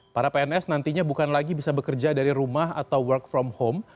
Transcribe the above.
para pns nantinya bukan lagi bisa bekerja dari rumah atau work from home